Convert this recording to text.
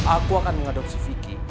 aku akan mengadopsi vicky